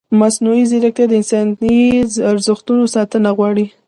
مصنوعي ځیرکتیا د انساني ارزښتونو ساتنه غواړي.